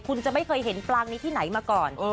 คุณจะไม่เคยเห็นปลางนี้ที่ไหนมาก่อน